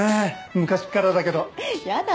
昔っからだけどやだ